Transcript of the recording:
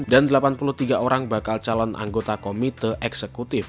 delapan puluh tiga orang bakal calon anggota komite eksekutif